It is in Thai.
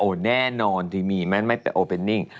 โอ้แน่นอนที่มีมันไม่เป็นโอเปนิ่ง